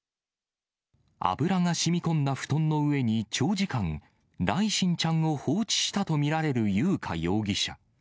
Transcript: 油がしみこんだ布団の上に長時間、來心ちゃんを放置したと見られる優花容疑者。